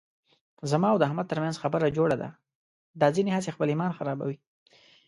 زما او د احمد ترمنځ خبره جوړه ده، دا ځنې هسې خپل ایمان خرابوي.